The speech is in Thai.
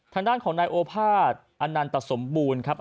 ทางด้านของนายโอภาษอนันตสมบูรณ์ครับ